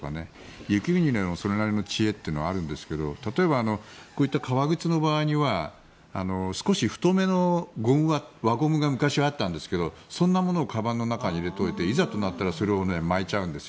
雪国というのはそれなりの知恵はあるんですが例えば、こういった革靴の場合少し太めの輪ゴムが昔はあったんですがそんなものをかばんの中に入れておいていざとなったらそれを巻いちゃうんです。